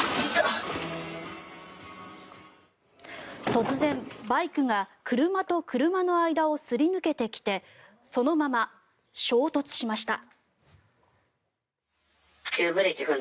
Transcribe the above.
突然、バイクが車と車の間をすり抜けてきてそのまま衝突しました。